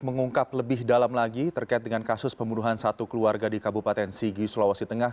mengungkap lebih dalam lagi terkait dengan kasus pembunuhan satu keluarga di kabupaten sigi sulawesi tengah